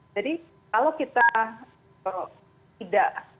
jadi kalau kita tidak